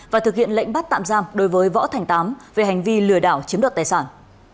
và thực hiện lệnh bắt tạm giam đối với võ thành tám về hành vi lừa đảo chiếm đoạt tài sản